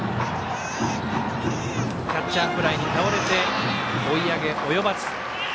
キャッチャーフライに倒れて追い上げ及ばず。